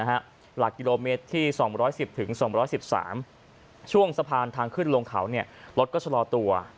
หลักกิโลเมตรที่๒๑๐๒๑๓ช่วงสะพานทางขึ้นลงเขารถก็ชะลอตัว